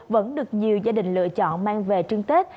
vẫn được nhiều gia đình lựa chọn mang về trưng tết